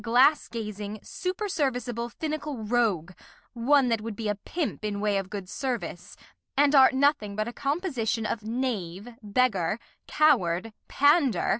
Glass gazing, superserviceable, finical Rogue ; One that wou'd be a Pimp in Way of good Service, and art nothing but a Composition of Knave, Beggar, Coward, Pandar.